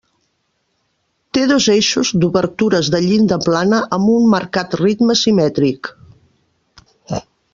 Té dos eixos d'obertures de llinda plana amb un marcat ritme simètric.